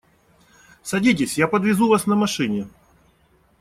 Садитесь, я подвезу вас на машине.